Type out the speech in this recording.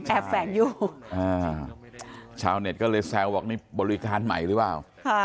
แฝงอยู่ชาวเน็ตก็เลยแซวบอกนี่บริการใหม่หรือเปล่า